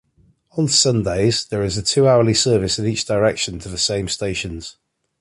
On Sundays, there is a two-hourly service in each direction to the same stations.